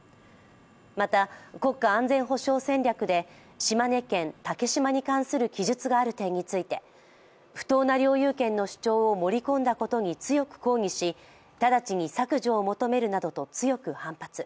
また、国家安全保障戦略で島根県竹島に関する記述がある点について不当な領有権の主張を盛り込んだことに強く抗議し、直ちに削除を求めるなどと強く反発。